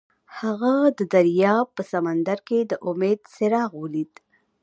هغه د دریاب په سمندر کې د امید څراغ ولید.